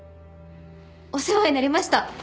お世話になりました。